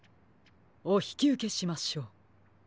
おひきうけしましょう。